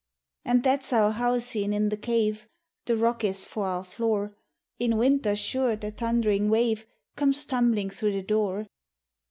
And that's our houseen in the cave, The rock is for our floor ; In winther, sure, the tundherin' wave Comes tumblin' through the door.